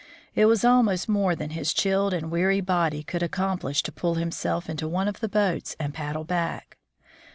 It was almost more than his chilled and weary body could accomplish to pull himself into one of the boats and paddle back.